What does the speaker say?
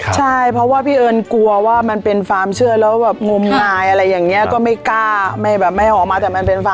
ใช่เพราะว่าพี่เอิญกลัวว่ามันเป็นความเชื่อแล้วแบบงมงายอะไรอย่างนี้ก็ไม่กล้าไม่แบบไม่ออกมาแต่มันเป็นฝ่า